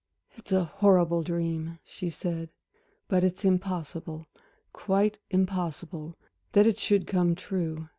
"It's a horrible dream," she said, "but it's impossible quite impossible that it should come true.